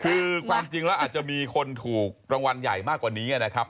คือความจริงแล้วอาจจะมีคนถูกรางวัลใหญ่มากกว่านี้นะครับ